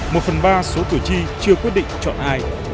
một phần ba số cử tri chưa quyết định chọn ai